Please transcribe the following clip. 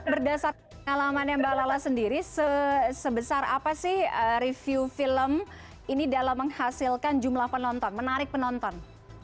berdasar alamannya mbak lala sendiri sebesar apa sih review film ini dalam menghasilkan jumlah penonton menarik penonton